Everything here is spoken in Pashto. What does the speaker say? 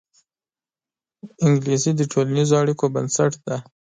انګلیسي د ټولنیزو اړیکو بنسټ دی